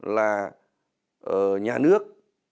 là nhà nước